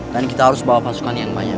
dan kita harus bawa pasukan yang banyak